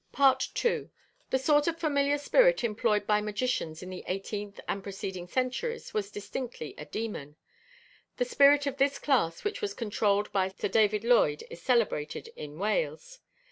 II. The sort of familiar spirit employed by magicians in the eighteenth and preceding centuries was distinctly a demon. The spirit of this class which was controlled by Sir David Llwyd is celebrated in Wales.